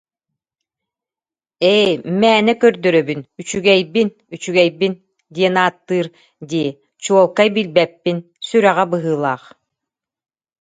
Ээ, «мээнэ көрдөрөбүн, үчүгэйбин, үчүгэйбин» диэн ааттыыр дии, чуолкай билбэппин, сүрэҕэ быһыылаах